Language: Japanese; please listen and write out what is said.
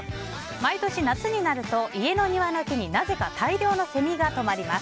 毎年、夏になると家の庭の木になぜか大量のセミが止まります。